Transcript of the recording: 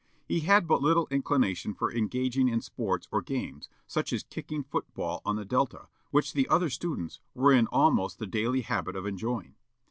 He had but little inclination for engaging in sports or games, such as kicking foot ball on the Delta, which the other students were in almost the daily habit of enjoying.